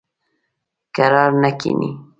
کرار نه کیني.